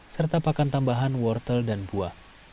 serta pakan tambahan wortel dan buah